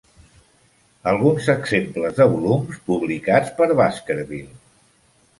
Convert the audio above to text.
Alguns exemples de volums publicats per Baskerville.